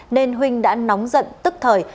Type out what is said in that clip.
nên huynh đã nóng giận tức thời